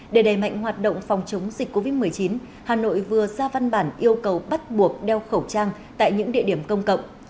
để đẩy mạnh hoạt động phòng chống dịch covid một mươi chín hà nội vừa ra văn bản yêu cầu bắt buộc đeo khẩu trang tại những địa điểm công cộng